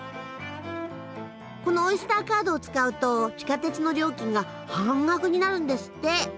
このオイスターカードを使うと地下鉄の料金が半額になるんですって。